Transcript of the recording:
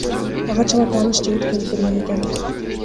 Ага чала тааныш жигит келип берген экен.